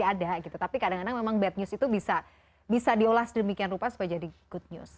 ada gitu tapi kadang kadang memang bad news itu bisa diolah sedemikian rupa supaya jadi good news